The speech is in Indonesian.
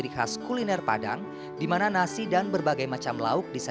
ruang sukarno dikatakan sebagai ruang utama